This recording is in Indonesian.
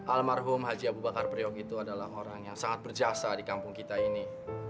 almarhum haji abu bakar priok itu adalah orang yang sangat berjasa di kampung kita ini